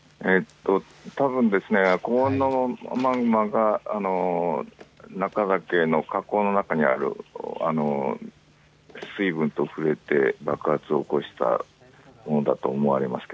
たぶん高温のマグマが中岳の火口の中にある水分と触れて爆発を起こしたものだと思われます。